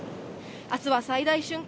あすは最大瞬間